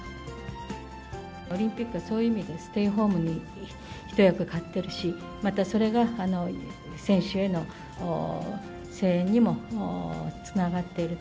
オリンピックはそういう意味で、ステイホームに一役買っているし、またそれが、選手への声援にもつながっていると。